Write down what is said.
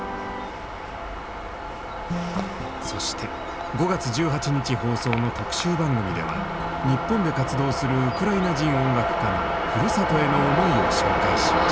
そして５月１８日放送の特集番組では日本で活動するウクライナ人音楽家のふるさとへの思いを紹介しました。